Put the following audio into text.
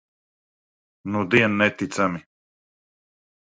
Nudien neticami.